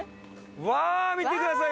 うわ見てください